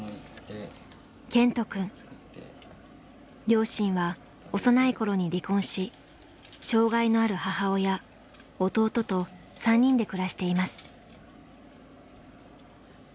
両親は幼い頃に離婚し障害のある母親弟と３人で暮らしています。